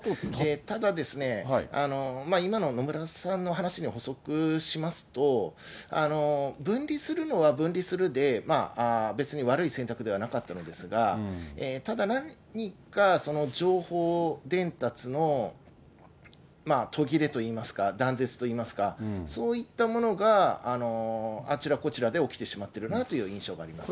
ただですね、今の野村さんの話に補足しますと、分離するのは分離するで、別に悪い選択ではなかったのですが、ただ、何かその情報伝達の途切れといいますか、断絶といいますか、そういったものが、あちらこちらで起きてしまってるなという印象があります。